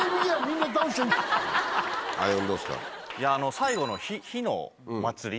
最後の火の祭り。